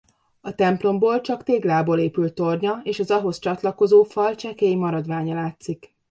A templomból csak téglából épült tornya és az ahhoz csatlakozó fal csekély maradványa látszik.